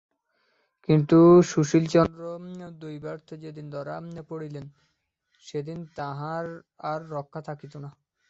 কিন্তু সুশীলচন্দ্র দৈবাৎ যেদিন ধরা পড়িতেন সেদিন তাঁহার আর রক্ষা থাকিত না।